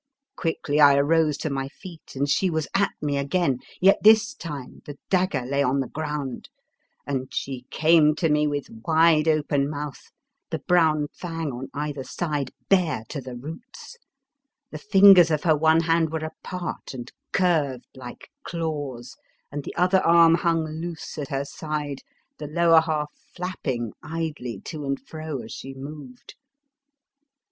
Quickly I arose to my feet, and she was at me again, yet this time the dagger lay on the ground, and she came to me with wide open mouth, the brown fang on either side bare to the roots; the fingers of her one hand were apart and curved like claws, and the other arm hung loose at her side, the lower half flapping idly to and fro as she moved.